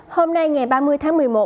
hôm nay ngày ba mươi tháng một mươi một